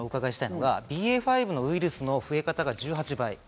ＢＡ．５のウイルスの増え方が１８倍。